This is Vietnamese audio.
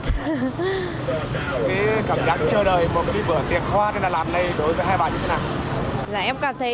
cái cảm giác chờ đợi một cái bữa tiệc hoa này là làm đây đối với hai bạn như thế nào